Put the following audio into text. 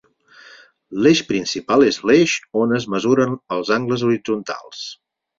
L'eix principal és l'eix on es mesuren els angles horitzontals.